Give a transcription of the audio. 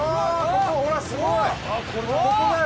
ここほらすごい！